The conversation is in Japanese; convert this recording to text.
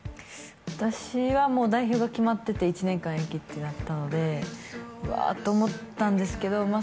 私はもう代表が決まってて１年間延期ってなったのでわあと思ったんですけどまあ